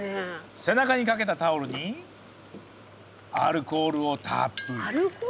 背中にかけたタオルにアルコールをたっぷり。